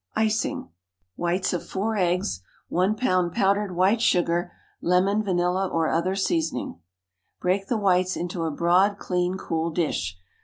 ICING. ✠ Whites of 4 eggs. 1 pound powdered white sugar. Lemon, vanilla, or other seasoning. Break the whites into a broad, clean, cool dish.